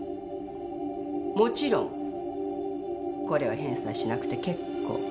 もちろんこれは返済しなくて結構。